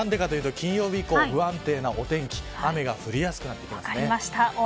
金曜日以降、不安定なお天気雨が降りやすくなってきます。